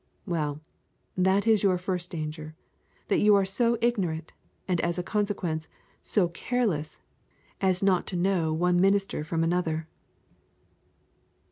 Well, that is your first danger, that you are so ignorant, and as a consequence, so careless, as not to know one minister from another.